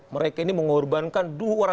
mereka ini mengorbankan